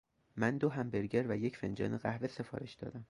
من دو همبرگر و یک فنجان قهوه سفارش دادم.